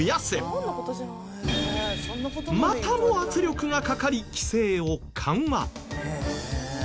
またも圧力がかかり規制を緩和。